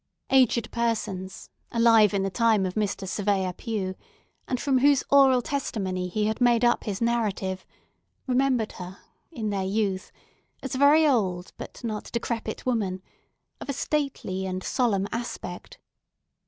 Aged persons, alive in the time of Mr. Surveyor Pue, and from whose oral testimony he had made up his narrative, remembered her, in their youth, as a very old, but not decrepit woman, of a stately and solemn aspect.